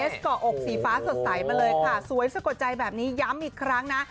สเกาะอกสีฟ้าสดใสมาเลยค่ะสวยสะกดใจแบบนี้ย้ำอีกครั้งนะ